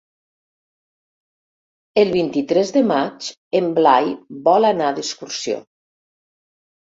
El vint-i-tres de maig en Blai vol anar d'excursió.